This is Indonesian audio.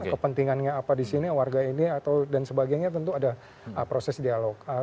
kepentingannya apa di sini warga ini atau dan sebagainya tentu ada proses dialog